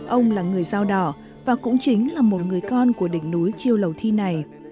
ông là người dao đỏ và cũng chính là một người con của đỉnh núi chiêu lầu thi này